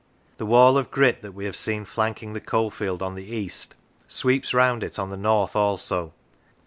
The wall of grit that we have seen flanking the coalfield on the east sweeps round it on the north also.